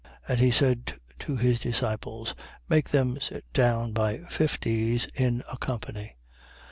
And he said to his disciples: Make them sit down by fifties in a company.